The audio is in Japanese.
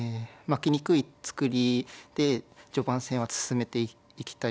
負けにくい作りで序盤戦は進めていきたいなと思っています。